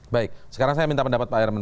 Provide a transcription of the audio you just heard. baik sekarang saya minta pendapat pak herman